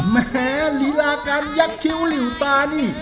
แม้ฬีลาการยักษ์คิ้วหรือตานี่